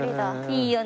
いいよね